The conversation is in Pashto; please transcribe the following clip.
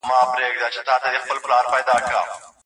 ګاما څپې د حافظې سره تړاو لري.